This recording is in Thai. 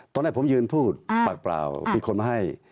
ตอนแรกผมยืนพูดปากเปล่ามีคนมาให้